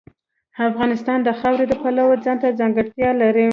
افغانستان د خاوره د پلوه ځانته ځانګړتیا لري.